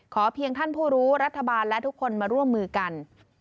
เพียงท่านผู้รู้รัฐบาลและทุกคนมาร่วมมือกัน